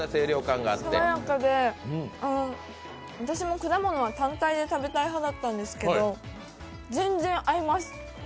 さわやかで、私も果物は単体で食べたい派だったんですけど全然、合います！